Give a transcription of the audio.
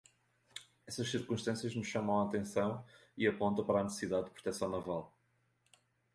Essas circunstâncias nos chamam a atenção e apontam para a necessidade de proteção naval.